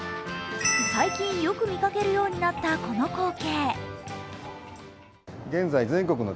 最近よく見かけるようになった、この光景。